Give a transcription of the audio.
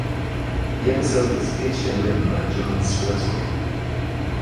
The episode was pitched and written by John Swartzwelder.